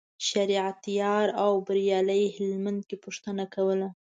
شریعت یار او بریالي هلمند یې پوښتنه کوله.